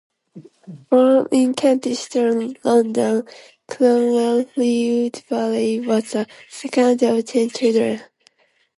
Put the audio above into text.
Born in Kentish Town, London, Cromwell Fleetwood Varley was the second of ten children.